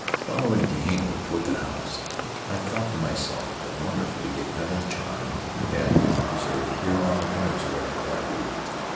Following Tehinatu toward the house, I thought to myself how wonderfully the island charm had been preserved here on the peninsula of Taiarapu.